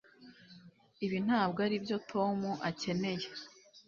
Ibi ntabwo aribyo Tom akeneye